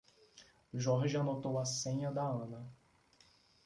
Jorge anotou a senha da Ana.